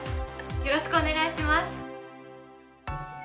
よろしくお願いします。